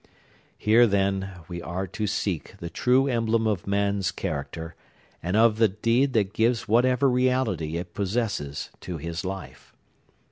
Here, then, we are to seek the true emblem of the man's character, and of the deed that gives whatever reality it possesses to his life.